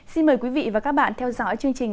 xin mời quý vị và các bạn theo dõi chương trình